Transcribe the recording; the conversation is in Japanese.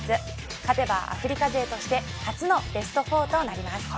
勝てば、アフリカ勢として初のベスト４となります。